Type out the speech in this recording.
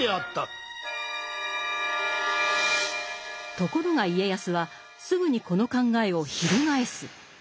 ところが家康はすぐにこの考えを翻す。